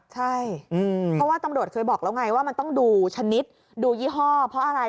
ใช่เพราะว่าตำรวจเคยบอกแล้วไงว่ามันต้องดูชนิดดูยี่ห้อเพราะอะไร